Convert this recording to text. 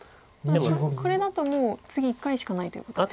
これだともう次１回しかないということですか。